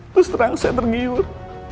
lalu setelah saya tergiur